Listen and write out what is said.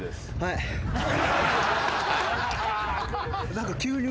何か急に。